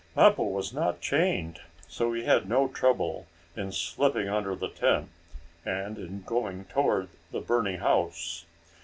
Mappo was not chained, so he had no trouble in slipping under the tent, and in going toward the burning house.